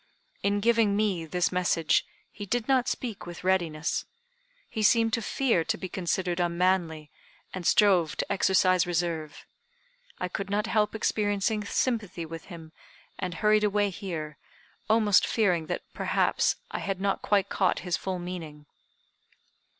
In giving me this message, he did not speak with readiness. He seemed to fear to be considered unmanly, and strove to exercise reserve. I could not help experiencing sympathy with him, and hurried away here, almost fearing that, perhaps, I had not quite caught his full meaning."